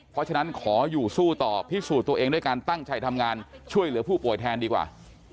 เพราะฉะนั้นขออยู่สู้ต่อพิสูจน์ตัวเองด้วยการตั้งใจทำงานช่วยเหลือผู้ป่วยแทนดีกว่า